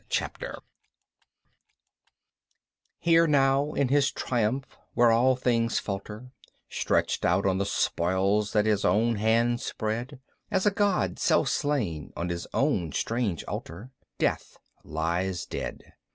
CHAPTER 7 _Here now in his triumph where all things falter, Stretched out on the spoils that his own hand spread, As a god self slain on his own strange altar, Death lies dead.